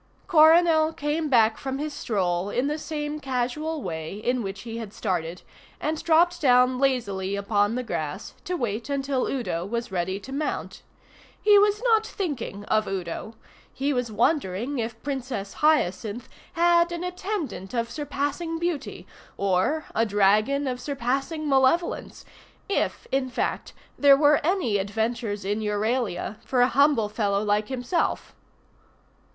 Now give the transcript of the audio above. Coronel came back from his stroll in the same casual way in which he had started and dropped down lazily upon the grass to wait until Udo was ready to mount. He was not thinking of Udo. He was wondering if Princess Hyacinth had an attendant of surpassing beauty, or a dragon of surpassing malevolence if, in fact, there were any adventures in Euralia for a humble fellow like himself.